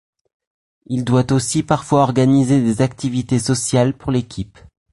Il doit aussi parfois organiser des activités sociales pour l'équipe.